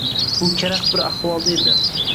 U karaxt bir ahvolda edi.